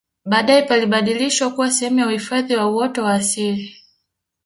baadae palibadilishwa kuwa sehemu ya uhifadhi wa uoto wa asili